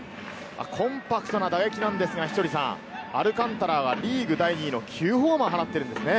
コンパクトな打撃なんですが、アルカンタラはリーグ第２位の９ホーマーを放ってるんですね。